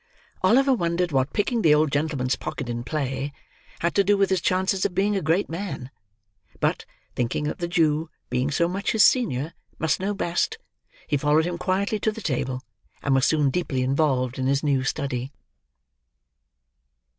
Oliver wondered what picking the old gentleman's pocket in play, had to do with his chances of being a great man. But, thinking that the Jew, being so much his senior, must know best, he followed him quietly to the table, and was soon deeply involved in his new study.